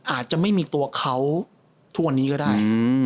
อาจจะไม่มีตัวเขาทุกวันนี้ก็ได้